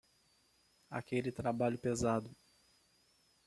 Aquele trabalho pesado